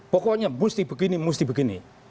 pokoknya mesti begini mesti begini